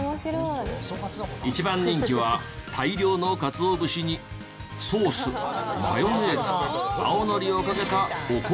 一番人気は大量の鰹節にソースマヨネーズ青のりをかけた。